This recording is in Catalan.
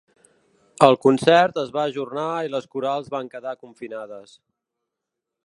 El concert es va ajornar i les corals van quedar confinades.